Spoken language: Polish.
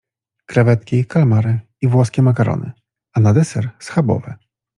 Krewetki, kalmary i włoskie makarony a na deser schabowy.